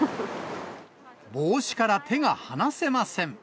帽子から手が離せません。